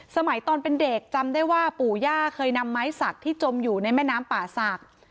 สมัยตอนเป็นเด็กจำได้ว่าปู่ย่าเคยนำไม้สักที่จมอยู่ในแม่น้ำป่าศักดิ์